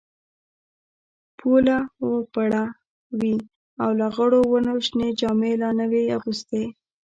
پوله وپړه وې او لغړو ونو شنې جامې لا نه وې اغوستي.